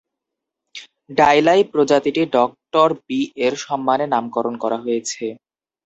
"ডাইলাই" প্রজাতিটি doctor B এর সম্মানে নামকরণ করা হয়েছে।